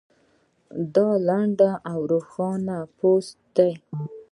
دا لنډ او روښانه پوسټ دی